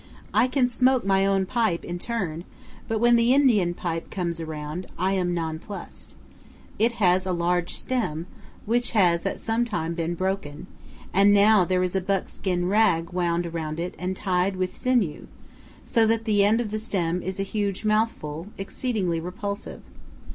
I can smoke my own pipe in turn, but when the Indian pipe comes around, I am nonplused. It has a large stem, which has at some time been broken, and now there is a buckskin rag wound around it and tied with sinew, so that the end of the stem is a huge mouthful, exceedingly repulsive.